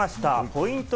ポイント